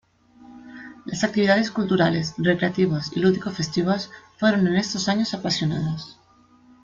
Las actividades culturales, recreativas y lúdico-festivas, fueron en estos años apasionadas.